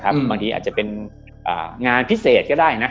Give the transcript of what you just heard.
บางทีอาจจะเป็นงานพิเศษก็ได้นะ